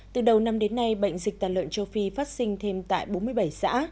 từ đầu năm đến nay bệnh dịch tàn lợn châu phi phát sinh thêm tại bốn mươi bảy xã